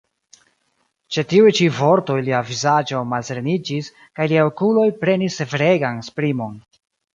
Ĉe tiuj ĉi vortoj lia vizaĝo malsereniĝis, kaj liaj okuloj prenis severegan esprimon.